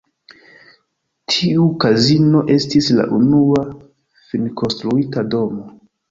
Tiu kazino estis la unua finkonstruita domo.